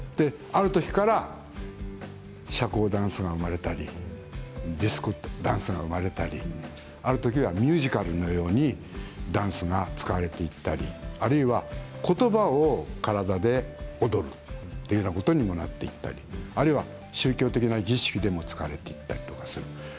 あるときから社交ダンスが生まれたりディスコダンスが生まれたりあるときはミュージカルのようにダンスが使われていったりあるいは、ことばを体で踊るというようなことにもなっていたりあるいは宗教的な儀式でも使われていたりもする。